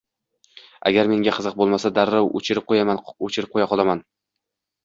Agar menga qiziq boʻlmasa, darrov oʻchirib qoʻya qolaman.